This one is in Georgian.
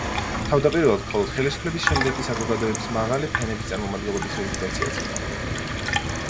თავდაპირველად მხოლოდ ხელისუფლების, შემდეგ კი საზოგადოების მაღალი ფენის წარმომადგენლობის რეზიდენციაც იყო.